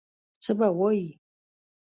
څه به وایي.